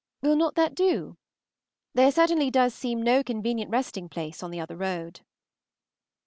Will not that do? There certainly does seem no convenient resting place on the other road.